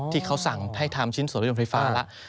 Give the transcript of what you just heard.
ที่เขาสั่งให้ทำชิ้นส่วนรถยนต์ไฟฟ้าแล้ว